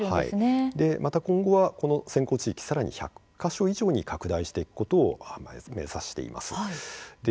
また今後は先行地域さらに１００か所以上に拡大していくことを目指しています。